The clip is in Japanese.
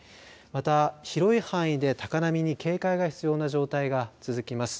また広い範囲で高波に警戒が必要な状態が続きます。